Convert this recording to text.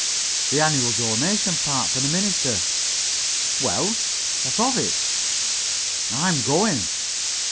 "The annual donation party for the minister." "Well, what of it?" "I'm going."